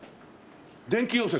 電気溶接？